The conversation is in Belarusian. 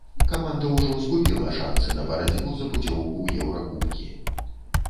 Каманда ўжо згубіла шанцы на барацьбу за пуцёўку ў еўракубкі.